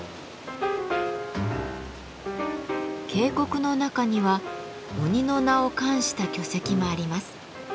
渓谷の中には鬼の名を冠した巨石もあります。